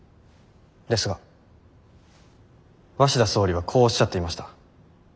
ですが鷲田総理はこうおっしゃっていました。